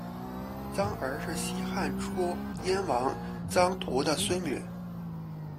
臧儿是西汉初燕王臧荼的孙女。